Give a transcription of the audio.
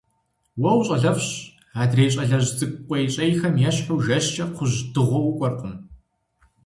Уэ ущӀалэфӀщ, адрей щӀалэжь цӀыкӀу къуейщӀейхэм ещхьу жэщкӀэ кхъужь дыгъуэ укӀуэркъым!